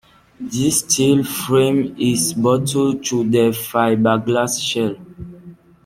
This steel frame is bolted to the fiberglass shell.